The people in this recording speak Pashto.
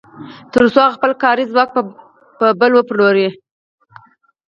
تر څو هغه خپل کاري ځواک په بل وپلوري